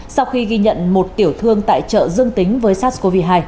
sau khi ghi nhận một tiểu thương tại chợ dương tính với sars cov hai